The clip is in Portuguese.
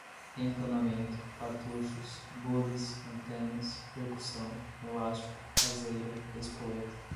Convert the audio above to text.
encanamento, cartuchos, bules, antenas, percussão, elástico, caseira, espoleta